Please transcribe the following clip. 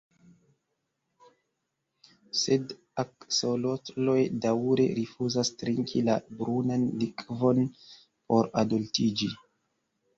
Sed aksolotloj daŭre rifuzas trinki la brunan likvon por adoltiĝi.